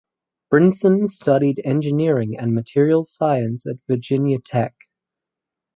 Brinson studied engineering and materials science at Virginia Tech.